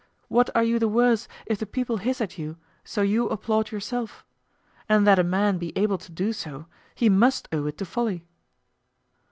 What are you the worse if the people hiss at you, so you applaud yourself? And that a man be able to do so, he must owe it to folly.